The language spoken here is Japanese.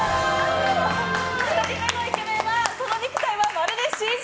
１人目のイケメンはその肉体はまるでＣＧ。